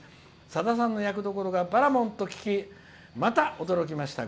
さださんの役どころがばらもんと聞き驚きました。